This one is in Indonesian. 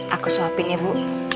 aku suapin ya bu